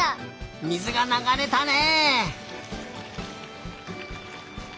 水がながれたね！